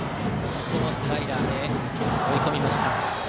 ここもスライダーで追い込みました。